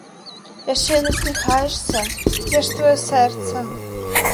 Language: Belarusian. Яшчэ і насміхаешся, дзе ж тваё сэрца?